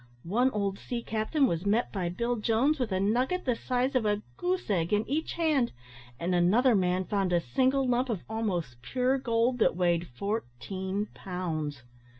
One old sea captain was met by Bill Jones with a nugget the size of a goose egg in each hand, and another man found a single lump of almost pure gold that weighed fourteen pounds.